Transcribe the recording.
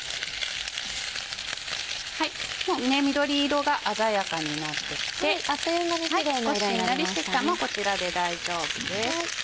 緑色が鮮やかになってきて少ししんなりしてきたらもうこちらで大丈夫です。